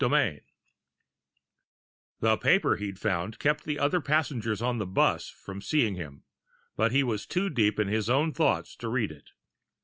VII The paper he'd found kept the other passengers on the bus from seeing him, but he was too deep in his own thoughts to read it.